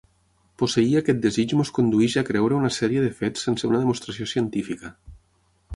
Posseir aquest desig ens condueix a creure una sèrie de fets sense una demostració científica.